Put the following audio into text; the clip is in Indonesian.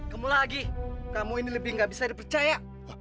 kamu lagi kamu ini lebih gak bisa dipercaya